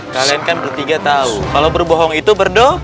kalian kan bertiga tahu kalau berbohong itu berdoa